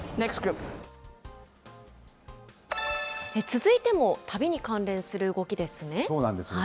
続いても旅に関連する動きですね。